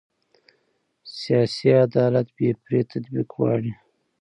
سیاسي عدالت بې پرې تطبیق غواړي